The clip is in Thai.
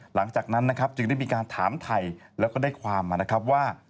หลังจากนั้นนะครับจึงได้มีการถามไทยแล้วก็ได้ความมานะครับว่า